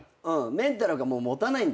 メンタルがもう持たないんだ。